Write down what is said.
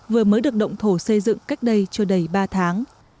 vừa mới được động thổ xây dựng cách đây chưa đầy ba tháng